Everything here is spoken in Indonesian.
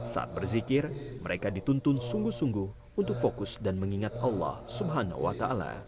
saat berzikir mereka dituntun sungguh sungguh untuk fokus dan mengingat allah swt